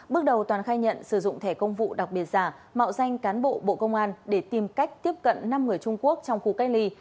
bước đầu toàn khai nhận sử dụng thẻ công vụ đặc biệt giả mạo danh cán bộ bộ công an để tìm cách tiếp cận năm người trung quốc trong khu cách ly